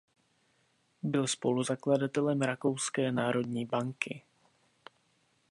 Byl spoluzakladatelem Rakouské národní banky.